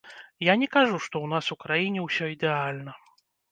Я не кажу, што ў нас у краіне ўсё ідэальна.